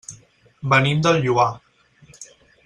Venim del Lloar.